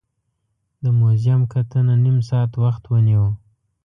د موزیم کتنه نیم ساعت وخت ونیو.